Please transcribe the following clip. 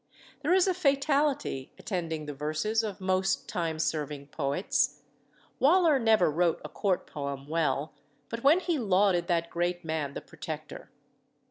There is a fatality attending the verses of most time serving poets. Waller never wrote a court poem well but when he lauded that great man, the Protector.